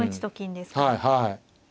はいはい。